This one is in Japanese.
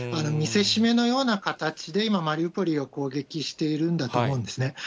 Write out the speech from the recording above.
見せしめのような形で今、マリウポリを攻撃しているんだと思うんですね。